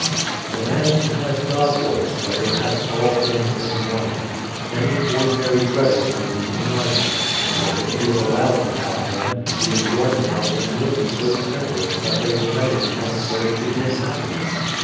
The man who has God for his treasure has all things in One. Many ordinary treasures may be denied him, or if he is allowed to have them, the enjoyment of them will be so tempered that they will never be necessary to his happiness.